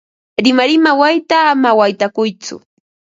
Rimarima wayta ama waytakuytsu.